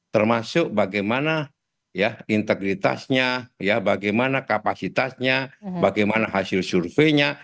termasuk bagaimana ya integritasnya bagaimana kapasitasnya bagaimana hasil surveinya